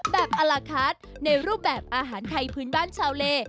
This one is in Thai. อลาคาร์ดในรูปแบบอาหารไทยพื้นบ้านชาวเล